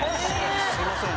すいません。